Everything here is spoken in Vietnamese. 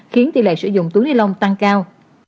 khiến tỷ lệ sử dụng túi ni lông tăng cao